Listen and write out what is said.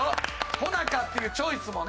コナカっていうチョイスもね。